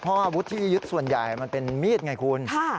เพราะอาวุธที่ยึดส่วนใหญ่มันเป็นมีดไงคุณ